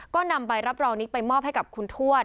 ก็นำใบรับรองนี้ไปมอบให้กับคุณทวด